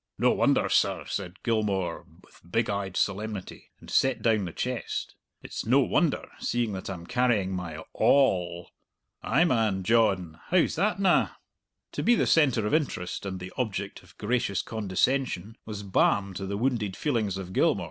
"No wonder, sir," said Gilmour, with big eyed solemnity, and set down the chest; "it's no wonder, seeing that I'm carrying my a all." "Ay, man, John. How's that na?" To be the centre of interest and the object of gracious condescension was balm to the wounded feelings of Gilmour.